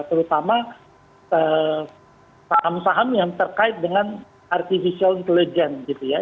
terutama saham saham yang terkait dengan artificial intelligence gitu ya